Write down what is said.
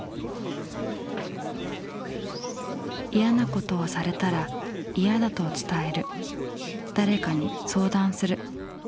嫌なことをされたら嫌だと伝える誰かに相談する。